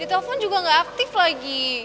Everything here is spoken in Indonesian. ditelepon juga gak aktif lagi